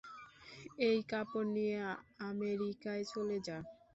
এই কাপড় নিয়ে আমেরিকায় চলে যা।